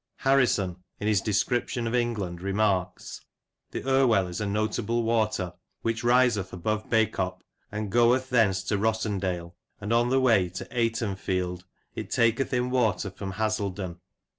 Harrison, in his Description of England^ remarks :—" The Irwell is a notable water which riseth above Bacop, and goeth thence to Rossendale, and in the way to Aytenfielde it taketh in a water from Haselden.